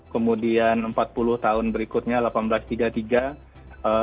kemudian empat puluh tahun berikutnya seribu delapan ratus tiga puluh tiga